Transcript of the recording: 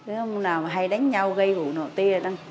không nào hay đánh nhau gây gỗ nọ tê